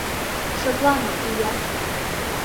Шыплане, ия!